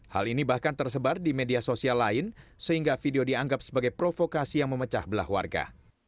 hal ini bahkan tersebar di media sosial lain sehingga video dianggap sebagai provokasi yang memecah belah warga